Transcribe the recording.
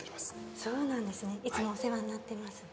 そうなんですねいつもお世話になっています